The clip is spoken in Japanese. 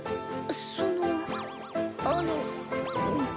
そのあのん。